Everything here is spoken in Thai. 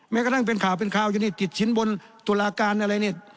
แม้กระทั่งเป็นข่าวเป็นข่าวอยู่นี่ติดชิ้นบนตุลาการอะไรเนี่ย